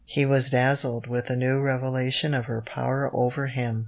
He was dazzled with the new revelation of her power over him."